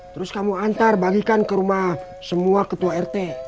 terus kamu antar bagikan ke rumah semua ketua rt